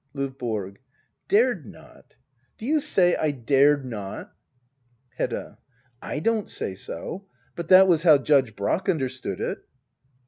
LdVBORO. Dared not ! Do you say I dared not ^ Hedda. / don't say so. But that was how Judge Brack understood it.